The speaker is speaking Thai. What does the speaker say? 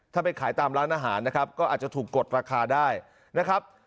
ถ้าไปขายตามร้านอาหารนะครับก็อาจจะถูกกดราคาได้นะครับ